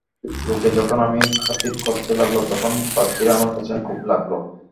লোকে যখন আমায় খাতির করতে লাগল, তখন পাদ্রীরা আমার পেছনে খুব লাগল।